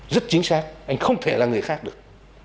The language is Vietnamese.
rất chính xác anh không thể là người khác được